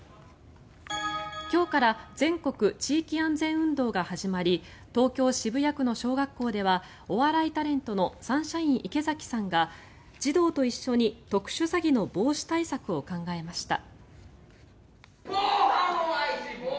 今日から全国地域安全運動が始まり東京・渋谷区の小学校ではお笑いタレントのサンシャイン池崎さんが児童と一緒に特殊詐欺の防止対策を考えました。